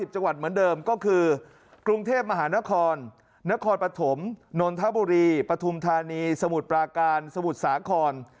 จังหวัดเหมือนเดิมก็คือกรุงเทพมหานครนครปฐมนนทบุรีปฐุมธานีสมุทรปราการสมุทรสาคร